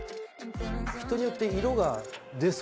人によって色が出そうですよね。